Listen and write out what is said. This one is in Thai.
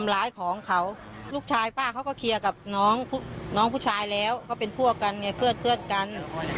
ลูกชายป้าเขาก็เคลียร์กับน้องผู้ชายแล้วเค้าเป็นพวกกันเพื่อนกัน